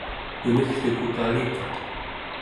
mumiggluku kalikaq